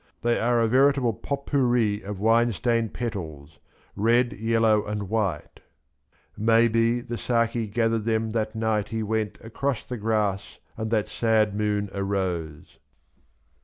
T!hey are a veritable pot^ pourri of wine stained petals — red, yellow, and white — 12 ... maybe The Saki gathered them that night he went Across the grass and that sad moon arose.